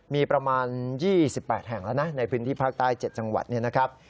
มีประมาณ๒๘แห่งแล้วนะในพื้นที่ภาคใต้๗จังหวัดเนี่ยนะครับ